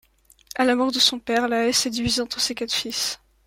À la mort de son père, la Hesse est divisée entre ses quatre fils.